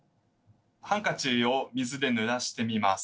ハンカチを水でぬらしてみます。